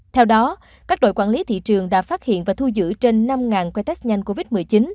theo đó các đội quản lý thị trường đã phát hiện và thu giữ trên năm quay test nhanh covid một mươi chín